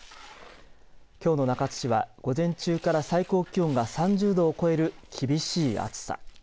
きょうの中津市は午前中から最高気温が３０度を超える厳しい暑さ。